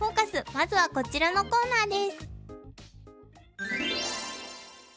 まずはこちらのコーナーです。